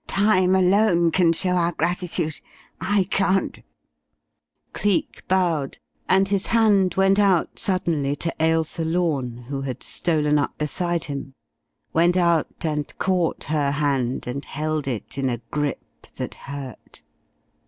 "Time alone can show our gratitude I can't." Cleek bowed, and his hand went out suddenly to Ailsa Lorne, who had stolen up beside him, went out and caught her hand and held it in a grip that hurt.